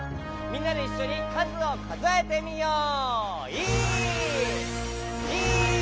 みんなでいっしょにかずをかぞえてみよう。